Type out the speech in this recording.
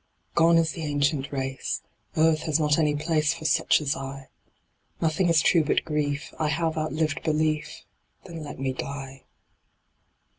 Gone is the ancient race ; Earth has not any place For such as I : Nothing is true but grief ; I have outlived belief, Then let me die.